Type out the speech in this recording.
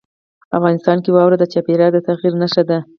افغانستان کې واوره د چاپېریال د تغیر نښه ده.